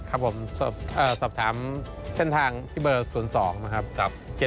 ครับผมสอบถามเส้นทางพี่เบอร์๐๒นะครับ